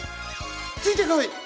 ついてこい！